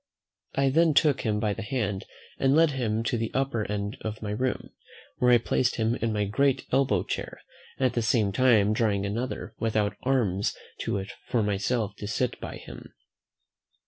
I then took him by the hand, and led him to the upper end of my room, where I placed him in my great elbow chair, at the same time drawing another without arms to it for myself to sit by him.